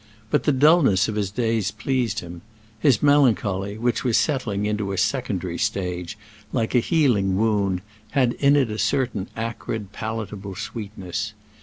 But the dullness of his days pleased him; his melancholy, which was settling into a secondary stage, like a healing wound, had in it a certain acrid, palatable sweetness.